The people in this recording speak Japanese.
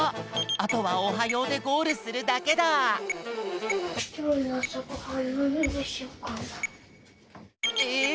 あとは「おはよう」でゴールするだけだ！え！？